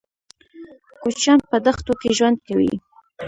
کوچيان په دښتو کې ژوند کوي.